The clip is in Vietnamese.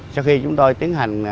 sau khi chúng tôi tiến hành